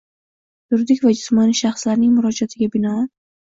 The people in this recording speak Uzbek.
yuridik va jismoniy shaxslarning murojaatiga binoan